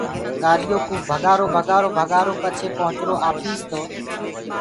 گآڏيو ڪو ڀگآرو بگآرو ڀگآرو پڇي پهنٚچرونٚ آپيٚس تو